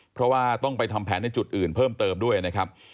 เพราะว่าต้องไปทำแผนในจุดอื่นเพิ่มเติมด้วยนะครับ